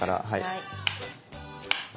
はい。